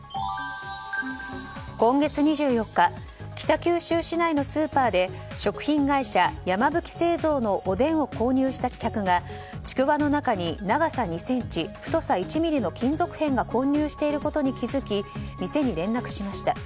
今月２４日北九州市内のスーパーで食品会社、山吹製造のおでんを購入した客がちくわの中に長さ２ｃｍ、太さ１ｍｍの金属片が混入していることに気づき店に連絡しました。